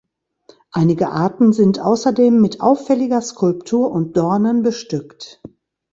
Einige Arten sind außerdem mit auffälliger Skulptur und Dornen bestückt.